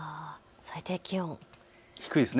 最低気温、低いです。